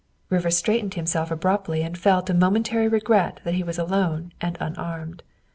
Rivers straightened himself abruptly and felt a momentary regret that he was alone and unarmed.